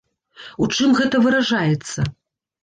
У чым гэта выражаецца?